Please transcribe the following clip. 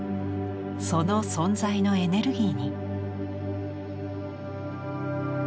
その存在のエネルギーに。